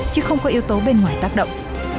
chứ không có yếu tố bên ngoài tác động